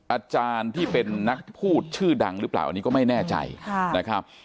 อาจารย์ที่เป็นนักพูดชื่อดังหรือเปล่าอันนี้ก็ไม่แน่ใจนะครับ